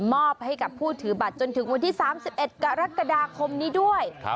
มอบให้กับผู้ถือบัตรจนถึงวันที่๓๑กรกฎาคมนี้ด้วย